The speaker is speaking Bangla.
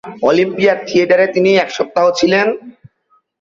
অলিম্পিয়া থিয়েটারে তিনি এক সপ্তাহ ছিলেন।